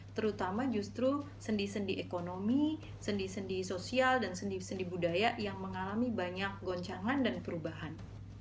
terutama justru sendi sendi ekonomi sendi sendi sosial dan sendi sendi budaya yang mengalami banyak goncangan dan perubahan